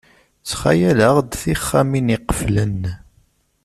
Ttxayaleɣ-d tixxamin iqeflen.